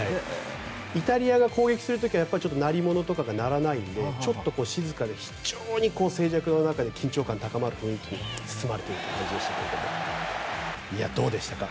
イタリアが攻撃する時は鳴り物とかが鳴らないのでちょっと静かで非常に静寂の中で緊張感が高まる雰囲気に包まれている感じでしたがどうでしたか？